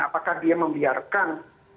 apakah dia membiarkan